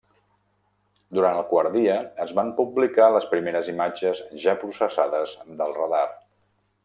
Durant el quart dia, es van publicar les primeres imatges ja processades del radar.